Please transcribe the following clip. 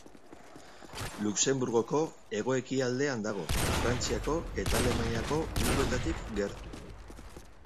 Luxenburgoko hegoekialdean dago, Frantziako eta Alemaniako mugetatik gertu.